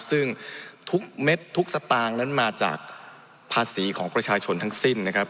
ซึ่งทุกเม็ดทุกสตางค์นั้นมาจากภาษีของประชาชนทั้งสิ้นนะครับ